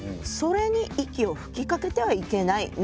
それに息を吹きかけてはいけない。